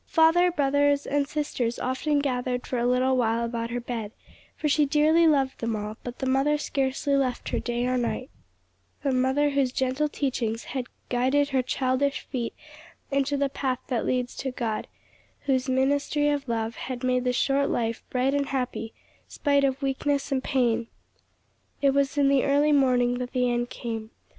Father, brothers and sisters often gathered for a little while about her bed; for she dearly loved them all; but the mother scarcely left her day or night; the mother whose gentle teachings had guided her childish feet into the path that leads to God, whose ministry of love had made the short life bright and happy, spite of weakness and pain. It was in the early morning that the end came.